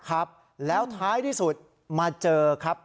ครับแล้วท้ายที่สุดมาเจอครับ